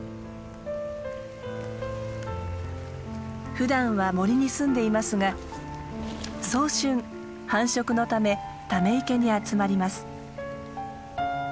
ふだんは森に住んでいますが早春繁殖のためため池に集まります。